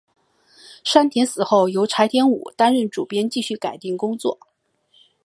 山田死后由柴田武担任主编继续改订工作。